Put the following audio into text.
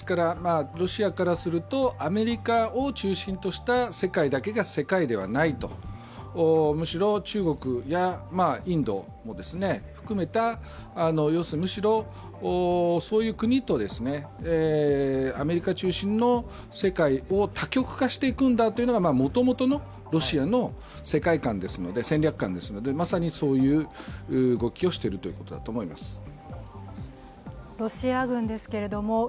ロシアからすると、アメリカを中心とした世界だけが世界ではないとむしろ、中国やインドも含めたそういう国とアメリカ中心の世界を、多極化していくんだというのがもともとのロシアの世界観、戦略観ですので、まさにそういう動きをしているということだと思います。